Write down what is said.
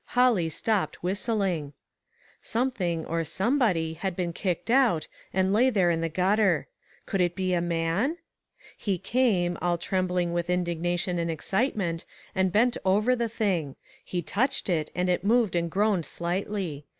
Holly stopped whistling. Something, or somebody, had beeu kicked 33O ONE COMMONPLACE DAY. out, and lay there in the gutter. Could it be a man? He came, all trembling with indignation and excitement, and bent over the thing. He touched it, and it moved and groaned slightly.